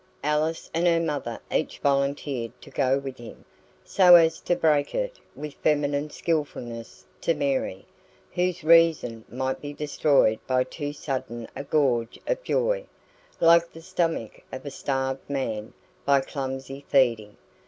Alice and her mother each volunteered to go with him, so as to "break it" with feminine skilfulness to Mary, whose reason might be destroyed by too sudden a gorge of joy, like the stomach of a starved man by clumsy feeding.